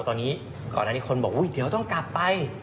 ตอนนี้ควรบอกว่าเดี๋ยวต้องกลับไป